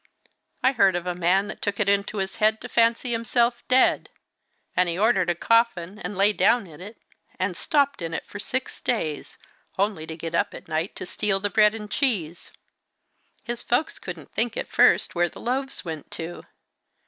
I heard of a man that took it into his head to fancy himself dead. And he ordered a coffin, and lay down in it, and stopped in it for six days, only getting up at night to steal the bread and cheese! His folks couldn't think, at first, where the loaves went to.